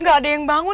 masih ada yang bangun